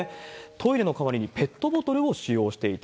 トイレの代わりにペットボトルを使用していた。